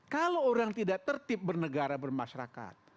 kalau orang tidak tertib bernegara bermasyarakat